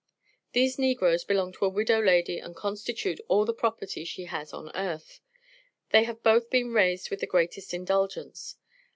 "These negroes belong to a widow lady and constitute all the property she has on earth. They have both been raised with the greatest indulgence.